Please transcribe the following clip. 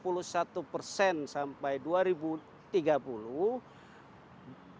kalau ada international assistance